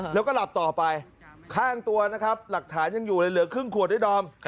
แล้วก็หลับต่อไปข้างตัวนะครับหลักฐานยังอยู่เลยเหลือครึ่งขวดด้วยดอม